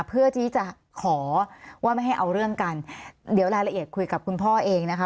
เพื่อที่จะขอว่าไม่ให้เอาเรื่องกันเดี๋ยวรายละเอียดคุยกับคุณพ่อเองนะคะ